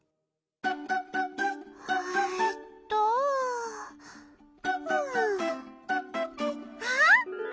・えっとうんあっ！